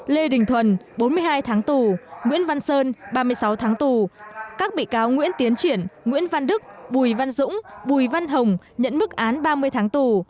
lê đình thuần bốn mươi hai tháng tù nguyễn văn sơn ba mươi sáu tháng tù các bị cáo nguyễn tiến triển nguyễn văn đức bùi văn dũng bùi văn hồng nhận mức án ba mươi tháng tù